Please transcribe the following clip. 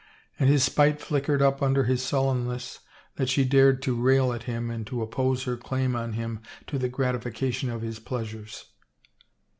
And his spite flickered up under his sullenness that she dared to rail at him and to oppose her claim on him to the gratification of his pleasures.